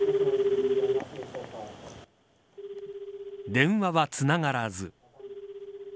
電話は、つながらず。